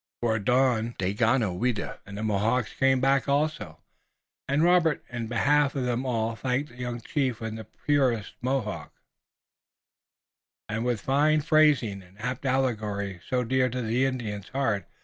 Before dawn Daganoweda and the Mohawks came back also, and Robert in behalf of them all thanked the young chief in the purest Mohawk, and with the fine phrasing and apt allegory so dear to the Indian heart.